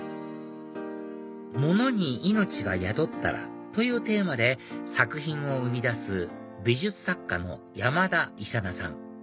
「ものに命が宿ったら」というテーマで作品を生み出す美術作家の山田勇魚さん